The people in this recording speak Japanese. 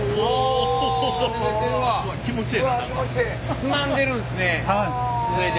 つまんでるんすね上で。